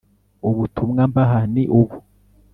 Ubutumwa mbaha ni ubu